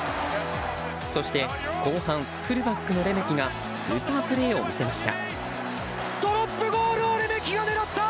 そして後半、フルバックのレメキがスーパープレーを見せました。